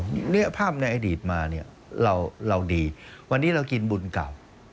ไม่ค่อยดีนะครับภาพในอดีตมาเราดีวันนี้เรากินบุญเก่า